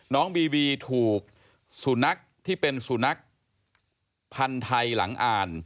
น้องบีบีถูกสุนัขที่เป็นสุนัขพันธ์ไทยหลังอ่าน